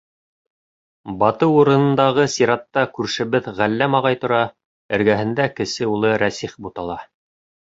Батыу урынындағы сиратта күршебеҙ Ғәлләм ағай тора, эргәһендә кесе улы Рәсих бутала.